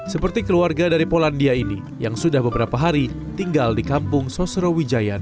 seperti keluarga dari polandia ini yang sudah beberapa hari tinggal di kampung sosrawijayan